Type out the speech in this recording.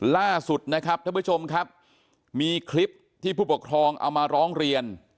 ล่าสุดนะครับท่านผู้ชมครับมีคลิปที่ผู้ปกครองเอามาร้องเรียน